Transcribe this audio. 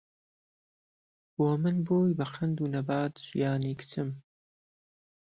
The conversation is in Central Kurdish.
بۆ من بووی به قهند و نهبات ژیانی کچم